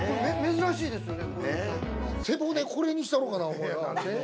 珍しいですよね。